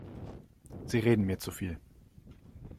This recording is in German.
Sie reden mir zu viel.